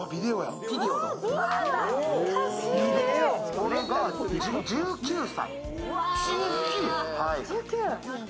これが１９歳。